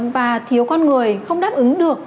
và thiếu con người không đáp ứng được